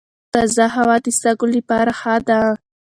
تازه هوا د سږو لپاره ښه ده.